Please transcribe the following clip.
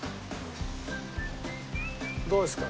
どうですか？